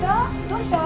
どうした？